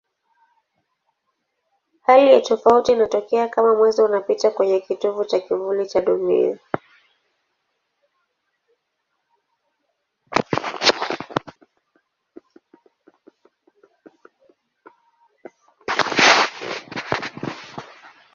Hali ya tofauti inatokea kama Mwezi unapita kwenye kitovu cha kivuli cha Dunia.